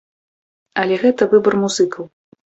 Але гэта выбар музыкаў.